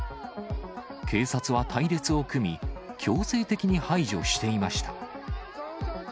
警察は隊列を組み、強制的に排除していました。